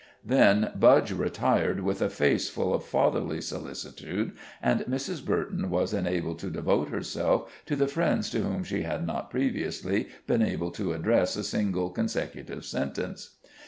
Then Budge retired with a face full of fatherly solicitude, and Mrs. Burton was enabled to devote herself to the friends to whom she had not previously been able to address a single consecutive sentence.